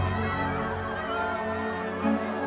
saya suka aku